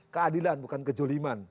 keadilan bukan kejoliman